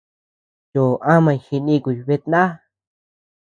Choʼo amañ jinikuy betná.